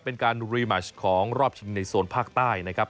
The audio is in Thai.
เป็นการรีแมชของรอบชิงในโซนภาคใต้นะครับ